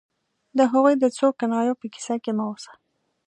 د هغوی د څو کنایو په کیسه کې مه اوسه